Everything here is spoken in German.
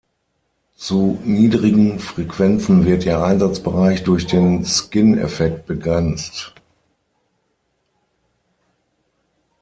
Zu niedrigen Frequenzen wird ihr Einsatzbereich durch den Skin-Effekt begrenzt.